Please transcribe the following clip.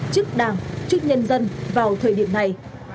chức đảng chức nhân dân vào thời điểm này